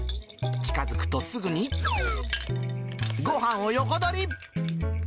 近づくとすぐに、ごはんを横取り。